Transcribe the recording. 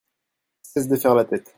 Cesse de faire la tête !